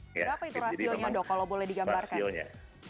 berapa itu rasionya dok kalau boleh digambarkan